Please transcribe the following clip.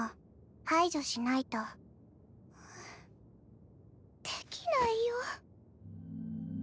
排除しないとできないよ